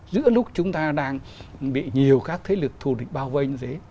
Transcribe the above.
giữa lúc chúng ta đang bị nhiều các thế lực thù địch bao vây như thế